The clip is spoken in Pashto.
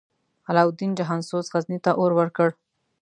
علاوالدین جهان سوز، غزني ته اور ورکړ.